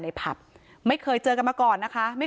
เขามันเค้ามาจะค้านั่งมัน